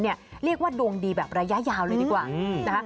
เรียกว่าดวงดีแบบระยะยาวเลยดีกว่านะคะ